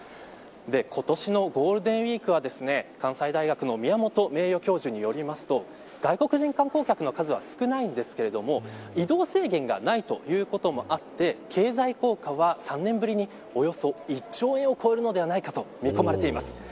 今年のゴールデンウイークは関西大学の宮本名誉教授によりますと外国人観光客の数は少ないんですが、移動制限がないということもあって経済効果は３年ぶりに、およそ１兆円を超えるのではないかと見込まれています。